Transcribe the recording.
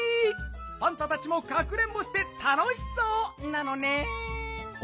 パンタたちもかくれんぼしてたのしそうなのねん！